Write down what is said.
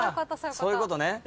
そういうことね。